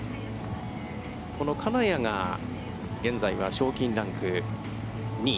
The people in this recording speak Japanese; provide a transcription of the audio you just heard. この金谷が現在は賞金ランク２位。